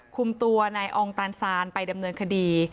คุมตัวนายอองตานซานไปดำเนินคดี